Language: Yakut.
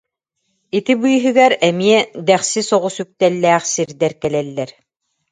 Ити быыһыгар эмиэ дэхси соҕус үктэллээх сирдэр кэлэллэр